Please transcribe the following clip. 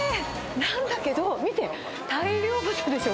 なんだけど見て、大漁旗でしょ。